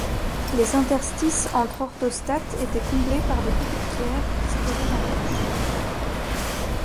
Les interstices entre orthostates étaient comblés par de petites pierres disposées en couches.